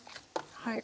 はい。